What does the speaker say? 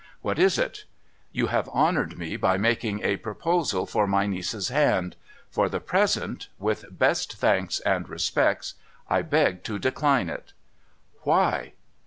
' What is it ?'' You have honoured me by making a proposal for my niece's hand. For the present (with best thanks and respects), I beg to decline it.' ' Why